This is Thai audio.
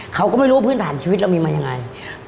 เขาก็ไม่รู้ว่าพื้นฐานชีวิตเรามีมายังไง